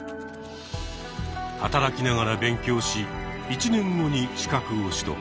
働きながら勉強し１年後に資格を取得。